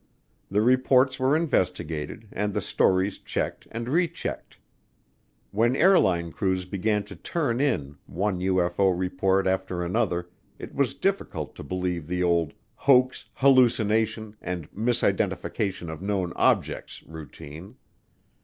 The reports were investigated, and the stories checked and rechecked. When airline crews began to turn in one UFO report after another, it was difficult to believe the old "hoax, hallucination, and misidentification of known objects" routine.